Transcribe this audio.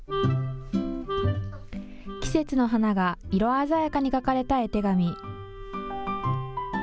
季節の花が色鮮やかに描かれた絵手紙。